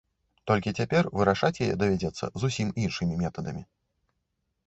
Толькі цяпер вырашаць яе давядзецца зусім іншымі метадамі.